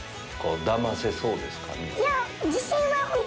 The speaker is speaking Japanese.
だませそうですかね？